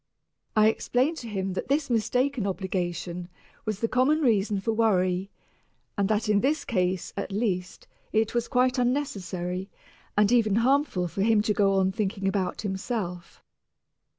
I explained to him that this mistaken obligation was the common reason for worry, and that in this case, at least, it was quite unnecessary and even harmful for him to go on thinking about himself.